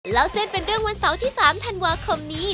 แล้วเส้นเป็นเรื่องวันเสาร์ที่๓ธันวาคมนี้